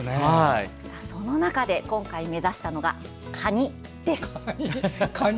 その中で今回、目指したのがカニです。